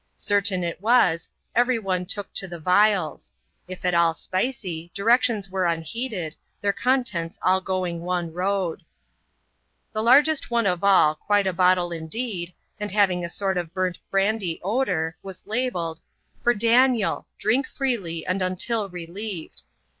Certain it was, every one took to the vials ; if at all spicy, directions were unheeded, their contents all going one road. The largest one of all, quite a bottle indeed, and having a sort of burnt brandy odour, was labelled —" For Daniel; drink freely, and until relieved."